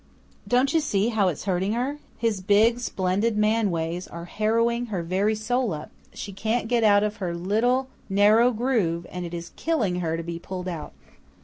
Don't you see how it's hurting her? His big, splendid man ways are harrowing her very soul up she can't get out of her little, narrow groove, and it is killing her to be pulled out."